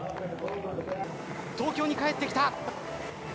東京に帰ってきた。